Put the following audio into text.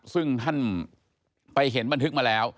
ซึ่งท่านไปเห็นบันทึกมาแล้ว